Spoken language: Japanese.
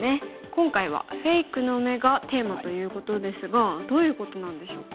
今回はフェイクの目がテーマということですがどういうことなんでしょうか？